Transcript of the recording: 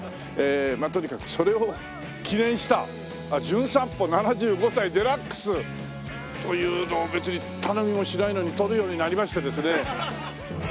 ええまあとにかくそれを記念した『じゅん散歩７５歳デラックス』というのを別に頼みもしないのに撮るようになりましてですね。